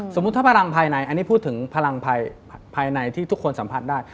สมมุติถ้าพลังภายในอันนี้พูดถึงพลังภายในที่ทุกคนสัมผัสได้